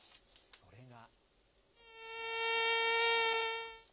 それが。